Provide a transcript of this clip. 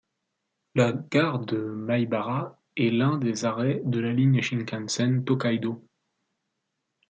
La gare de Maibara est l'un des arrêts de la ligne Shinkansen Tōkaidō.